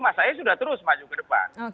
mas ae sudah terus maju ke depan